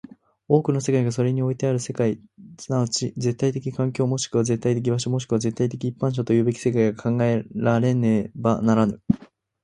多くの世界がそれにおいてある世界即ち絶対的環境、もしくは絶対的場所、もしくは絶対的一般者ともいうべき世界が考えられねばならぬ。